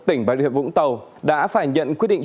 tỉnh bà rịa vũng tàu đã phải nhận quyết định